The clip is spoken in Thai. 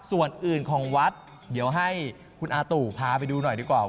ส่วนอื่นของวัดเดี๋ยวให้คุณอาตู่พาไปดูหน่อยดีกว่า